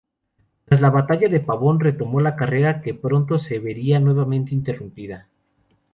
Tras la batalla de Pavón retomó la carrera, que pronto se vería nuevamente interrumpida.